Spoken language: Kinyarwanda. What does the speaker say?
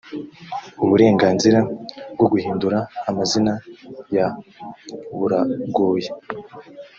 uburenganzira bwo guhindura amazina ya buragoye.